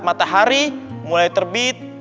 matahari mulai terbit